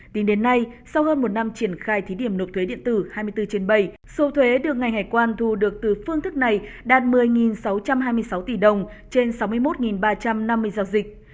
tính đến nay sau hơn một năm triển khai thí điểm nộp thuế điện tử hai mươi bốn trên bảy số thuế được ngành hải quan thu được từ phương thức này đạt một mươi sáu trăm hai mươi sáu tỷ đồng trên sáu mươi một ba trăm năm mươi giao dịch